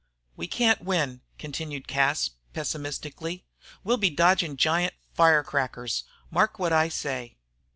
"We can't win," continued Cas, pessimistically. "We'll be dodgin' giant firecrackers, mark what I say!"